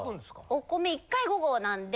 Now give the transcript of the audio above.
お米１回５合なんで。